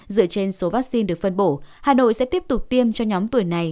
dựa trên số vaccine được phân bổ hà nội sẽ tiếp tục tiêm cho nhóm tuổi này